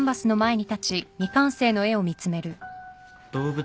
動物？